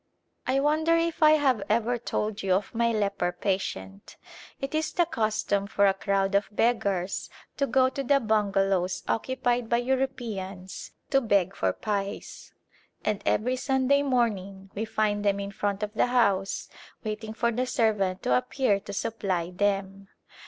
I wonder if I have ever told you of my leper patient. It is the custom for a crowd of beggars to go to the bungalows occupied by Europeans to beg for pice and every Sunday morning we find them in front of the house waiting for the servant to appear to supply them.